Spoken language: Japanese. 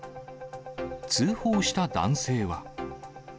通報した男性は。